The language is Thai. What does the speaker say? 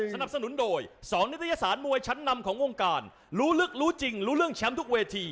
สนับสนุนโดย๒นิตยสารมวยชั้นนำของวงการรู้ลึกรู้จริงรู้เรื่องแชมป์ทุกเวที